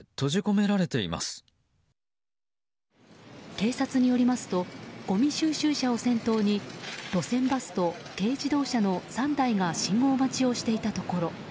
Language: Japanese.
警察によりますとごみ収集車を先頭に路線バスと軽自動車の３台が信号待ちをしていたところ